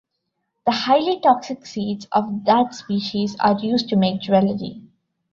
The highly toxic seeds of that species are used to make jewellery.